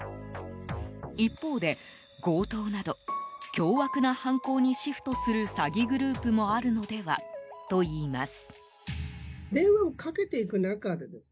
一方で、強盗など凶悪な犯行にシフトする詐欺グループもあるのではといいます。